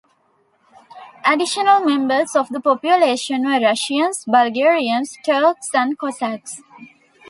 Additional members of the population were Russians, Bulgarians, Turks and Cossacks.